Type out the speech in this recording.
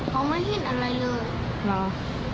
เขาไม่เห็นอะไรเลยเหรอ